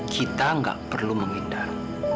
kita gak perlu menghindar